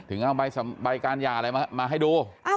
ถึงเอาใบการยาเลยมาให้ดู